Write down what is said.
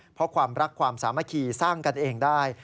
เพราะความรักความสามัคคีนได้